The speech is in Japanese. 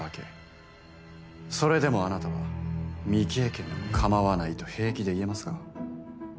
それでもあなたは未経験でもかまわないと平気で言えますか？